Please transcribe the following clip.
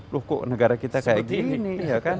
loh kok negara kita seperti ini